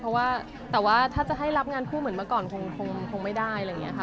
เพราะว่าแต่ว่าถ้าจะให้รับงานคู่เหมือนเมื่อก่อนคงไม่ได้อะไรอย่างนี้ค่ะ